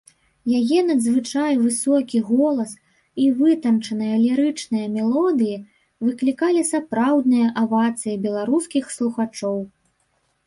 Яе надзвычай высокі голас і вытанчаныя лірычныя мелодыі выклікалі сапраўдныя авацыі беларускіх слухачоў.